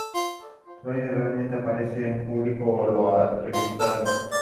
Lloyd raramente aparece en público o es entrevistado.